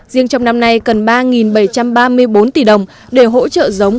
riêng trong năm nay cần ba bảy trăm ba mươi bốn tỷ đồng để hỗ trợ giống